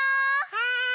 はい！